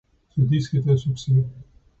Ce disque est un succès.